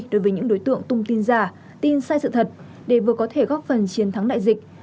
đối với những đối tượng tung tin giả tin sai sự thật để vừa có thể góp phần chiến thắng đại dịch